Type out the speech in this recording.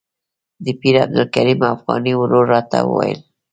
د پیر عبدالکریم افغاني ورور راته وویل.